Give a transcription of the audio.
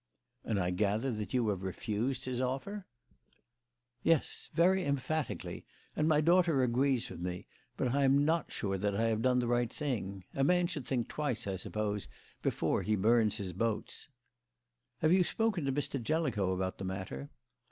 "And I gather that you have refused his offer?" "Yes; very emphatically, and my daughter agrees with me; but I am not sure that I have done the right thing. A man should think twice, I suppose, before he burns his boats." "Have you spoken to Mr. Jellicoe about the matter?"